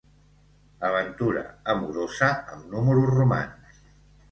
Aventura amorosa amb números romans.